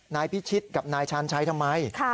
นายพิชิตกับนายชาญชัยทำไม